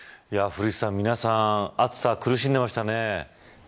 古市さん、皆さん暑さに苦しんでいましたね。